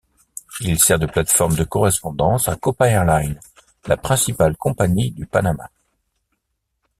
Il sert de plate-forme de correspondance à Copa Airlines, la principale compagnie du Panama.